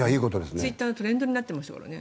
ツイッターのトレンドになってましたからね。